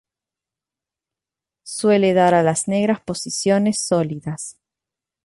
Suele dar a las negras posiciones sólidas.